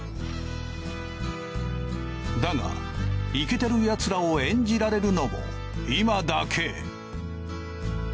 だがイケてるヤツらを演じられるのも今だけ。